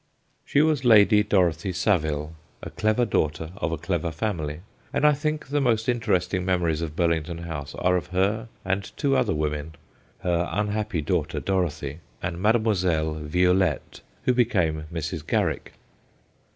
She was Lady Dorothy Savile, a clever daughter of a clever family, and I think the most interesting memories of Burlington House are of her and two other women her unhappy daughter, Dorothy, and Mademoiselle Violette, who became Mrs. Garrick.